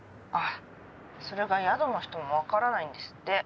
あっそれが宿の人も分からないんですって。